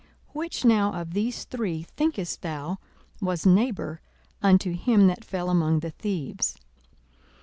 42:010:036 Which now of these three, thinkest thou, was neighbour unto him that fell among the thieves?